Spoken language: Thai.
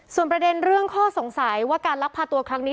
ส่วนประเด็นเรื่องข้อสงสัยว่าการลักพาตัวครั้งนี้